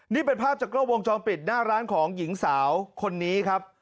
นี่เป็นภาพจากกล้อวงจอมปิดหน้าร้านของหญิงสาวคนนี้ครับ